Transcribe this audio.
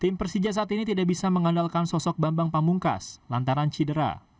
tim persija saat ini tidak bisa mengandalkan sosok bambang pamungkas lantaran cedera